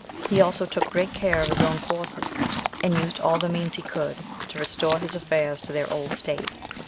He also took great care of his own forces, and used all the means he could to restore his affairs to their old state.